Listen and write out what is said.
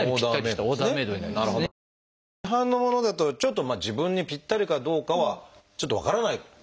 じゃあ市販のものだとちょっと自分にぴったりかどうかはちょっと分からないということになる。